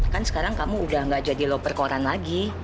kan sekarang kamu udah gak jadi loper koran lagi